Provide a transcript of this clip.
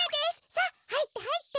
さあはいってはいって。